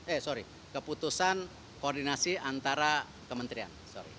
eh sorry keputusan koordinasi antara kementerian sorry